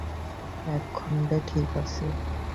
এক খণ্ডে, ঠিক আছে?